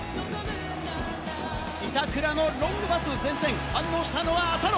板倉のロングパス、前線、反応したのは浅野。